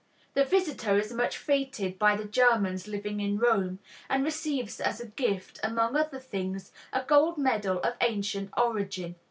The visitor is much fêted by the Germans living in Rome, and receives as a gift, among other things, a gold medal of ancient origin.